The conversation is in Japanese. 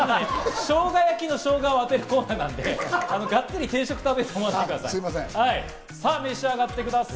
しょうが焼きのしょうがを当てるコーナーなんで、がっつり食べないでください。